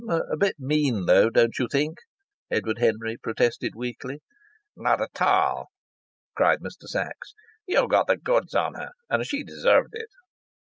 "A bit mean, though, don't you think?" Edward Henry protested weakly. "Not at all!" cried Mr. Sachs. "You got the goods on her. And she deserved it."